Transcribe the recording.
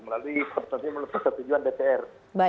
melalui pertentuan dpr